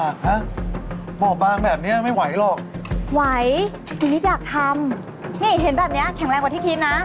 ก็แบบนี้แข็งแรงกว่าที่คิดนะ